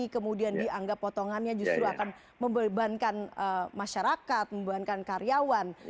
kemudian dianggap potongannya justru akan membebankan masyarakat membebankan karyawan